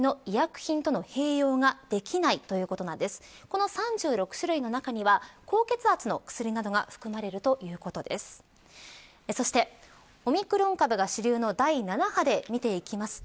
この３６種類の中には高血圧の薬などが含まれるということです。